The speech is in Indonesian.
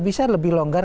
bisa lebih longgar